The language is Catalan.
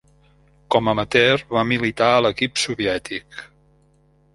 Com amateur va militar a l'equip soviètic.